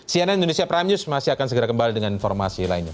cnn indonesia prime news masih akan segera kembali dengan informasi lainnya